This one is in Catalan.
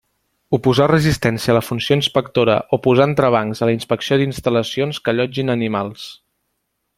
Oposar resistència a la funció inspectora o posar entrebancs a la inspecció d'instal·lacions que allotgin animals.